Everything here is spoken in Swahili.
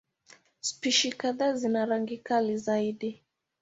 Spishi kadhaa zina rangi kali zaidi.